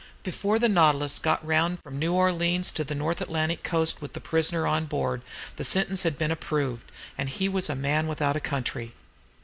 Before the "Nautilus" got round from New Orleans to the Northern Atlantic coast with the prisoner on board, the sentence had been approved, and he was a man without a country.